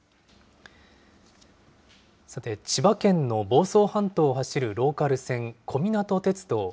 さて、千葉県の房総半島を走るローカル線、小湊鐵道。